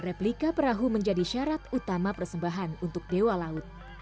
replika perahu menjadi syarat utama persembahan untuk dewa laut